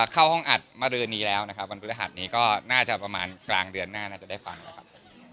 เข้าห้องอัดมารือนี้แล้วนะครับวันพฤหัสนี้ก็น่าจะประมาณกลางเดือนหน้าน่าจะได้ฟังนะครับ